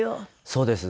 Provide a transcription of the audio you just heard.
そうです。